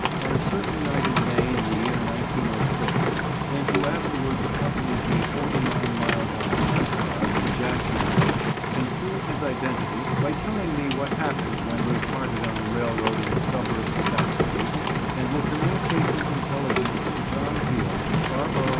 on a certain night in May in the year 1906, and who afterwards accompanied me forty nine miles on a hand car to Jacksonville, can prove his identity, by telling me what happened when we parted on the railroad in the suburbs of that city, and will communicate his intelligence to John Peele, Tarboro, N.